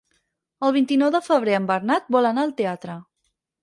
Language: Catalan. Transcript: El vint-i-nou de febrer en Bernat vol anar al teatre.